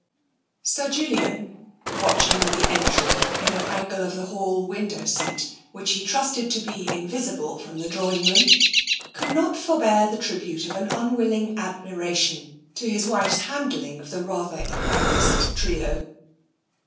Sir Julian, watching the entry in an angle of the hall window seat which he trusted to be invisible from the drawing room, could not forbear the tribute of an un willing admiration to his wife's handling of the rather embarrassed trio.